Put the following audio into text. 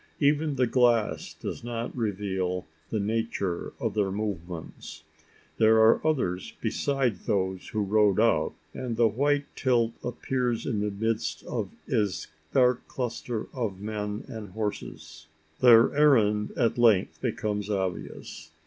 Even the glass does not reveal the nature of their movements. There are others besides those who rode up; and the white tilt appears in the midst of is dark cluster of men and horses. Their errand at length becomes obvious.